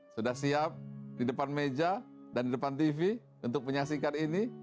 sudah siap di depan meja dan di depan tv untuk menyaksikan ini